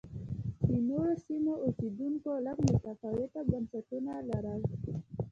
د نورو سیمو اوسېدونکو لږ متفاوت بنسټونه لرل